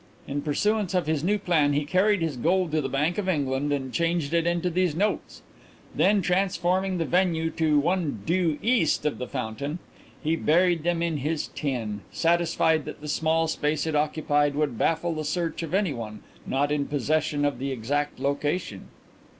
In pursuance of his new plan he carried his gold to the Bank of England and changed it into these notes. Then transferring the venue to one due east of the fountain, he buried them in this tin, satisfied that the small space it occupied would baffle the search of anyone not in possession of the exact location."